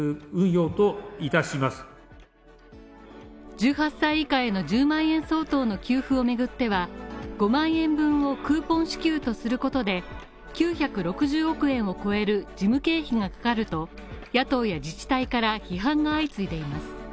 １８歳以下への１０万円相当の給付を巡っては５万円分をクーポン支給とすることで、９６０億円を超える事務経費がかかると、野党や自治体から批判が相次いでいます。